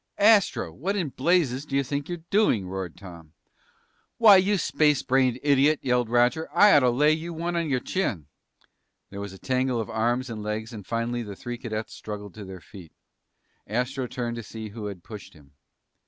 "Astro! What in blazes do you think you're doing?" roared Tom. "Why, you space brained idiot," yelled Roger, "I ought to lay one on your chin!" There was a tangle of arms and legs and finally the three cadets struggled to their feet. Astro turned to see who had pushed him.